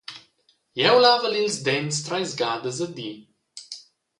Jeu lavel ils dents treis gadas a di.